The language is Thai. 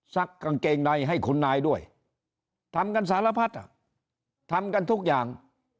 กางเกงในให้คุณนายด้วยทำกันสารพัดอ่ะทำกันทุกอย่าง